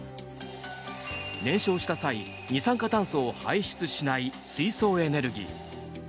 燃焼した際二酸化炭素を排出しない水素エネルギー。